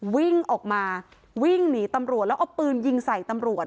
วิ่งออกมาวิ่งหนีตำรวจแล้วเอาปืนยิงใส่ตำรวจ